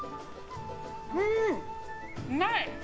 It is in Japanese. うん、うまい。